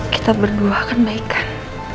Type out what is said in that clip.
kita berdua akan baikkan